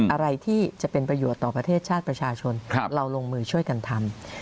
อะไรที่จะเป็นประโยชน์ต่อประเทศชาติประชาชนเราลงมือช่วยกันทำ